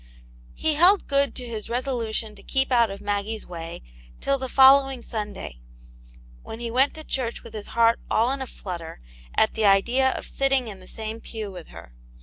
He held good to his resolution to keep out of Maggie's way till the following Sunday, when he went to church with his heart all in a flutter at the idea of sitting in the same pew with her.